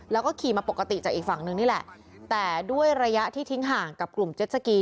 แล้วก็ขี่มาปกติจากอีกฝั่งนึงนี่แหละแต่ด้วยระยะที่ทิ้งห่างกับกลุ่มเจ็ดสกี